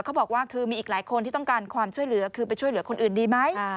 เขาบอกว่าคือมีอีกหลายคนที่ต้องการความช่วยเหลือคือไปช่วยเหลือคนอื่นดีไหม